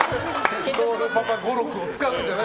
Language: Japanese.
徹パパ語録を使うんじゃない。